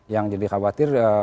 yang jadi khawatir